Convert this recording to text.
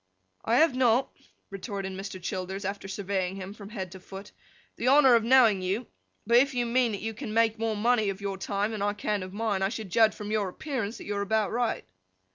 'I have not,' retorted Mr. Childers, after surveying him from head to foot, 'the honour of knowing you,—but if you mean that you can make more money of your time than I can of mine, I should judge from your appearance, that you are about right.